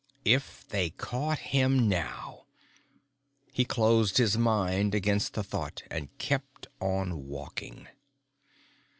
If they caught him now He closed his mind against the thought and kept on walking.